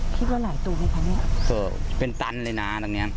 คิดว่าหลายตัวไหมครับเนี้ยเป็นตันเลยน่ะตรงเนี้ย